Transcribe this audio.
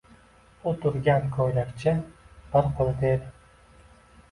U turgan ko‘ylakcha bir qo‘lida edi.